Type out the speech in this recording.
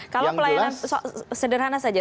kalau pelayanan sederhana saja